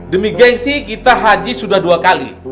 demi geng sih kita haji sudah dua kali